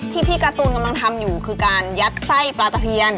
พี่การ์ตูนกำลังทำอยู่คือการยัดไส้ปลาตะเพียน